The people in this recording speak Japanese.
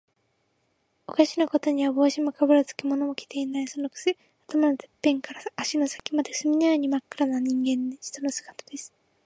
おかしなことには、帽子もかぶらず、着物も着ていない。そのくせ、頭のてっぺんから足の先まで、墨のようにまっ黒な人の姿です。